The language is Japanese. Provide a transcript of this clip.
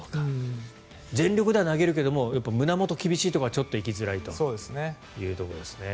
全力では投げるけど胸元の厳しいところはちょっと行きづらいというところですね。